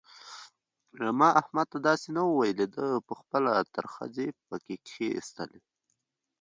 ما احمد ته داسې نه وو ويلي؛ ده په خپله ترخځي په کښېيستلې.